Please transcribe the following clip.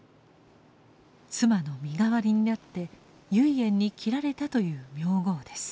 妻の身代わりになって唯円に切られたという名号です。